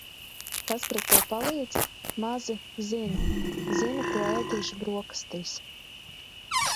Kas pret to palīdz? Mazi "zinu". Zinu, ko ēdīšu brokastīs.